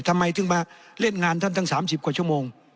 ทำไมถึงมาเล่นงานท่านตั้ง๓๐กว่าชั่วโมง